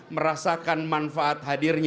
merasakan manfaat hadirnya